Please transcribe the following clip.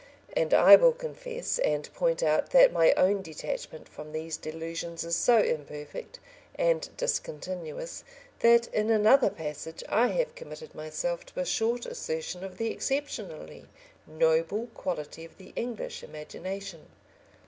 And I will confess and point out that my own detachment from these delusions is so imperfect and discontinuous that in another passage I have committed myself to a short assertion of the exceptionally noble quality of the English imagination.